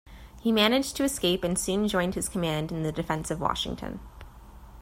He managed to escape and soon joined his command in the defense of Washington.